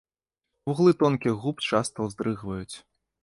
Вуглы тонкіх губ часта уздрыгваюць.